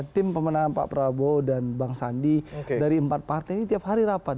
tim pemenangan pak prabowo dan bang sandi dari empat partai ini tiap hari rapat